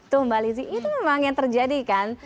tuh mbak lizzy itu memang yang terjadi kan